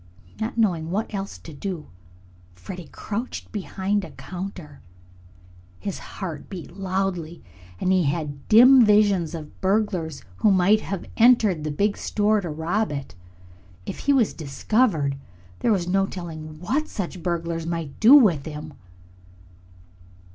Not knowing what else to do, Freddie crouched behind a counter. His heart beat loudly, and he had dim visions of burglars who might have entered the big store to rob it. If he was discovered, there was no telling what such burglars might do with him.